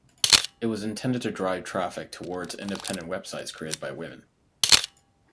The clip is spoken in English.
It was intended to drive traffic towards independent websites created by women.